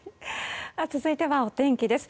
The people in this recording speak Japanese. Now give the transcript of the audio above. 続いては、お天気です。